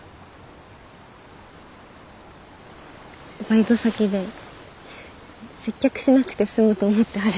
バイト先で接客しなくて済むと思って始めたんです。